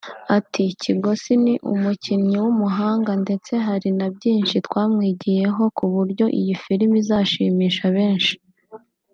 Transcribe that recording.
Ati “Kigosi ni umukinnyi w’umuhanga ndetse hari na byinshi twamwigiyeho ku buryo iyi filime izashimisha benshi